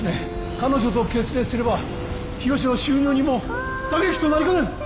彼女と決裂すればヒロシの収入にも打撃となりかねん。